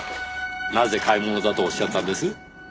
なぜ買い物だとおっしゃったんです？